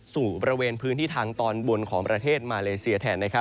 บริเวณพื้นที่ทางตอนบนของประเทศมาเลเซียแทน